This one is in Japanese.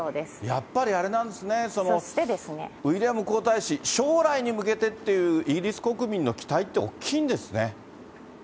やっぱりあれなんですね、ウィリアム皇太子、将来に向けてっていうイギリス国民の期待って大きいんですね。